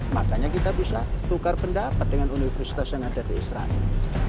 makanya kita bisa tukar pendapat dengan universitas yang ada di israel